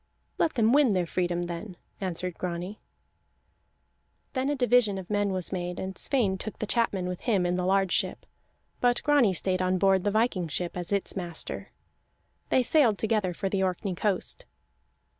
"Let them win their freedom, then," answered Grani. Then a division of men was made, and Sweyn took the chapmen with him in the large ship, but Grani stayed on board the viking ship as its master. They sailed together for the Orkney coast.